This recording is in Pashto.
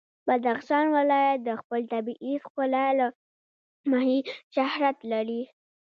بدخشان ولایت د خپل طبیعي ښکلا له مخې شهرت لري.